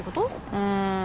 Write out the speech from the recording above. うん。